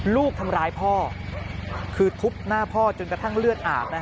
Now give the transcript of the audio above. ลูกทำร้ายพ่อคือทุบหน้าพ่อจนกระทั่งเลือดอาบ